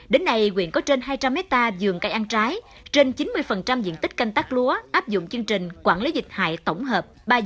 đến nay quyền có trên hai trăm linh hectare dường cây ăn trái trên chín mươi diện tích canh tác lúa áp dụng chương trình quản lý dịch hại tổng hợp